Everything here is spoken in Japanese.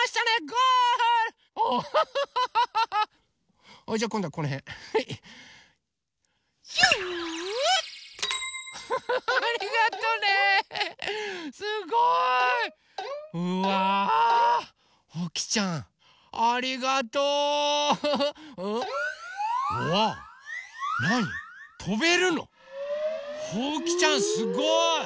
ほうきちゃんすごい！